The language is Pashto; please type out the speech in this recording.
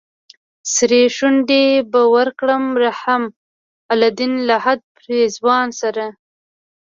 سرې شونډې به ورکړم رحم الدين لهد پېزوان سره